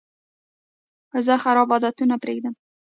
زه خراب عادتونه پرېږدم.